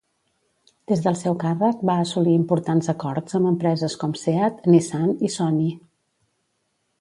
Des del seu càrrec va assolir importants acords amb empreses com Seat, Nissan i Sony.